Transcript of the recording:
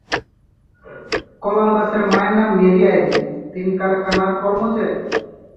কলম্বাসের মায়ের নাম Mary Irene, তিনি কারখানার কর্মচারী।